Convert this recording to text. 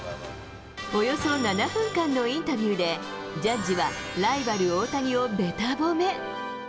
およそ７分間のインタビューで、ジャッジはライバル、大谷をべた褒め。